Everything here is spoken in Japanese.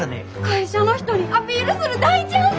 会社の人にアピールする大チャンス！